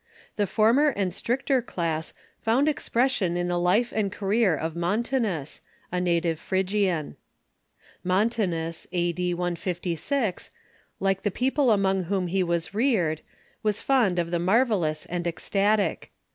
The former and stricter class found expression in the life and career of Mon tanus, a native Phrygian. Montanus, a.d. 156, like the people among whom he was reared, was fond of the marvellous and ecstatic.